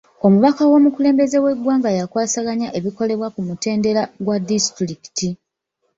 Omubaka w'omukulembeze w'egwanga yakwasaganya ebikolebwa ku mutendera gwa disitulikiti.